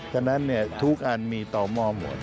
ฉะนั้นทุกอันมีต่อมองหมด